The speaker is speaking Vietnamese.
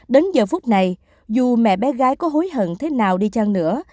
đến giờ phút này dù mẹ bé gái có hối hận thế nào đi chăng nữa